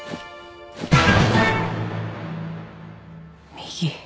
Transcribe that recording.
右。